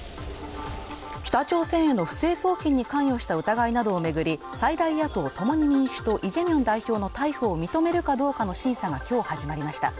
北朝鮮への不正送金に関与した疑いなどを巡り最大野党共に民主党イ・ジェミョン代表の逮捕を認めるかどうかの審査が今日始まりました